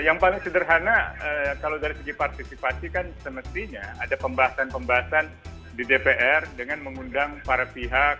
yang paling sederhana kalau dari segi partisipasi kan semestinya ada pembahasan pembahasan di dpr dengan mengundang para pihak